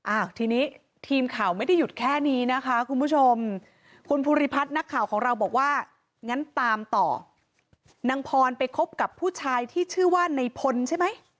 อ้าวทีนี้ทีมข่าวไม่ได้หยุดแค่นี้นะคะคุณผู้ชมคุณภูริพัฒน์นักข่าวของเราบอกว่างั้นตามต่อนางพรไปคบกับผู้ชายที่ชื่อว่าในพลใช่ไหม